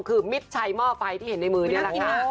คือมิดชัยหม้อไฟที่เห็นในมือนี่แหละค่ะ